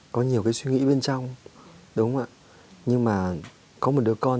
có những ngày tháng em ổn đau mày quá rất nghị